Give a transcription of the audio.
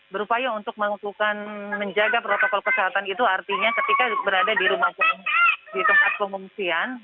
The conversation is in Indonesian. berupaya untuk melakukan menjaga protokol kesehatan itu artinya ketika berada di tempat pengungsian